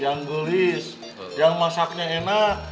yang gulis yang masaknya enak